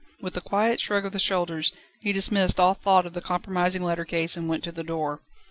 With a quiet shrug of the shoulders, he dismissed all thought of the compromising lettercase, and went to the door.